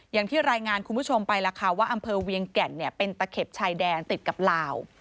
อย่างที่รายงานคุณผู้ชมไปล่ะค่ะว่าอำเภอเวียงแก่นเป็นตะเข็บชายแดนติดกับลาว